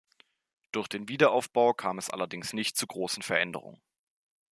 Durch den Wiederaufbau kam es allerdings nicht zu großen Veränderungen.